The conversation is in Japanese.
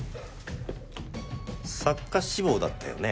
作家志望だったよね？